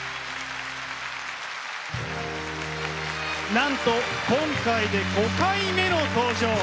なんと今回で５回目の登場。